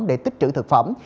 để tích trữ thực phẩm